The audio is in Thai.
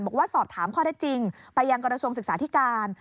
บอกว่าสอบถามข้อแท้จริงไปยังกรสมศึกษาที่การ